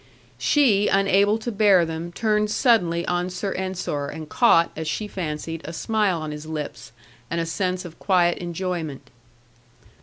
She, unable to bear them, turned suddenly on Sir Ensor, and caught (as she fancied) a smile on his lips, and a sense of quiet enjoyment.